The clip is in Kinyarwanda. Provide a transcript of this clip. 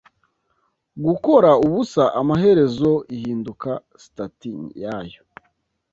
Gukora ubusa amaherezo ihinduka stati yayo